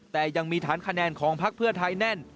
แต่ยังมีฐานคะแนนของพักเพื่อไทยแน่น